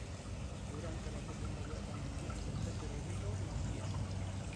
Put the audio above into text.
Durante la seconda guerra mondiale fecero ritorno a Vienna.